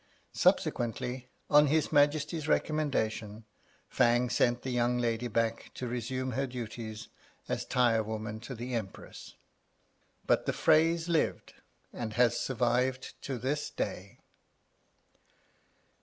Subsequently, on his Majesty's recommendation, Fang sent the young lady back to resume her duties as tire woman to the Empress. But the phrase lived, and has survived to this day.